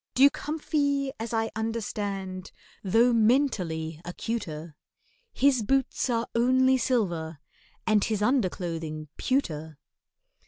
DUKE HUMPHY, as I understand, Though mentally acuter, His boots are only silver, and His underclothing pewter.